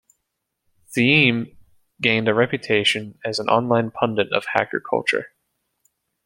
Thieme gained a reputation as an online pundit of hacker culture.